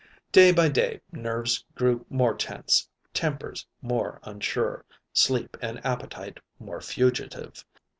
Day by day nerves grew more tense, tempers more unsure, sleep and appetite more fugitive.